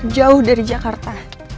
jauh dari jakarta